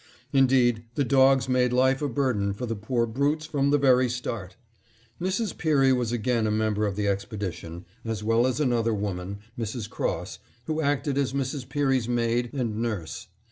Indeed the dogs made life a burden for the poor brutes from the very start. Mrs. Peary was again a member of the expedition, as well as another woman, Mrs. Cross, who acted as Mrs. Peary's maid and nurse.